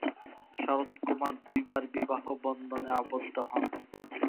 শরৎকুমার দুইবার বিবাহবন্ধনে আবদ্ধ হন।